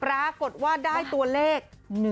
ปรากฏว่าได้ตัวเลข